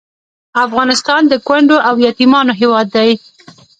افغانستان د کونډو او یتیمانو هیواد دی